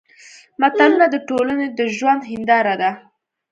متلونه د ټولنې د ژوند هېنداره ده